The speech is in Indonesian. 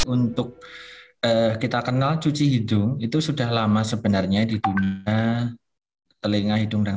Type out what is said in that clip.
untuk kita kenal cuci hidung itu sudah lama sebenarnya di dunia telinga hidung dan